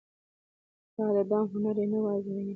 لا د دام هنر یې نه وو أزمېیلی